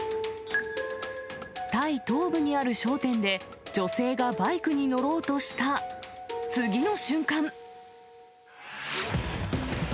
タイ東部にある商店で、女性がバイクに乗ろうとした、次の瞬間。